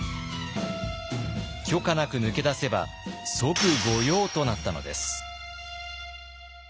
許可なく抜け出せば即御用となったのです。